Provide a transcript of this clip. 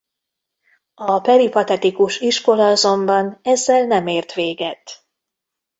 A peripatetikus iskola azonban ezzel nem ért véget.